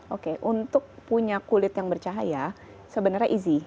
oke untuk punya kulit yang bercahaya sebenarnya easy